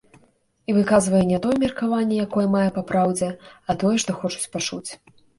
І выказвае не тое меркаванне, якое мае папраўдзе, а тое, што хочуць пачуць.